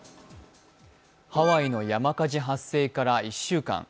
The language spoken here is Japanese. ハワイの山火事発生から１週間。